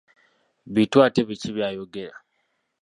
Bittu ate biki by'ayogera?